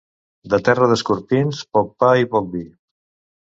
De terra d'escorpins, poc pa i poc vi.